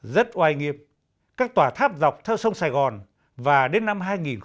rất oai nghiệp các tòa tháp dọc theo sông sài gòn và đến năm hai nghìn một mươi tám